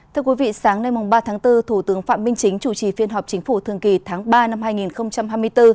thưa quý vị sáng nay ba tháng bốn thủ tướng phạm minh chính chủ trì phiên họp chính phủ thường kỳ tháng ba năm hai nghìn hai mươi bốn